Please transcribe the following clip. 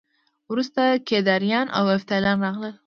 وروسته کیداریان او یفتلیان راغلل